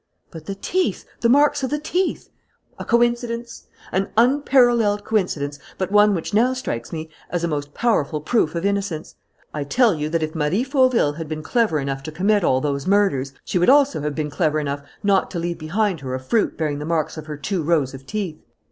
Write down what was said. "But the teeth! The marks of the teeth!" "A coincidence! An unparalleled coincidence, but one which now strikes me as a most powerful proof of innocence. I tell you that, if Marie Fauville had been clever enough to commit all those murders, she would also have been clever enough not to leave behind her a fruit bearing the marks of her two rows of teeth."